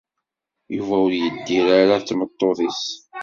Yuba ur yeddir ara d tmeṭṭut-is.